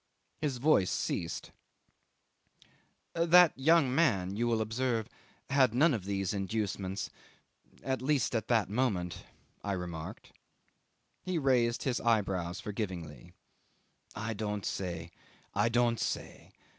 ..." 'His voice ceased. '"That young man you will observe had none of these inducements at least at the moment," I remarked. 'He raised his eyebrows forgivingly: "I don't say; I don't say.